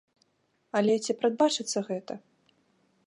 Але ці прадбачыцца гэта?